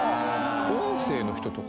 音声の人とか。